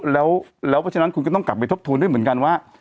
เพราะฉะนั้นคุณก็ต้องกลับไปทบทวนด้วยเหมือนกันว่า